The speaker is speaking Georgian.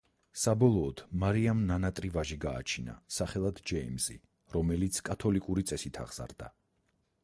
საბოლოოდ მარიამ ნანატრი ვაჟი გააჩინა, სახელად ჯეიმზი, რომელიც კათოლიკური წესით აღზარდა.